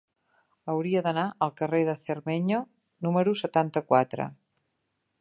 Hauria d'anar al carrer de Cermeño número setanta-quatre.